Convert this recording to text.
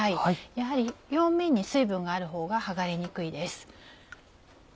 やはり表面に水分があるほうが剥がれにくいです。